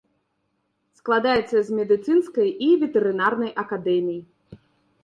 Складаецца з медыцынскай і ветэрынарнай акадэмій.